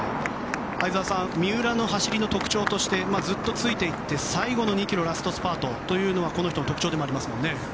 相澤さん三浦の走りの特徴としてずっとついていって最後の２ｋｍラストスパートがこの人の特徴でもありますよね。